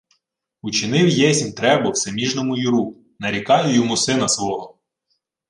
— Учинив єсмь требу всеміжному Юру. Нарікаю йому сина свого!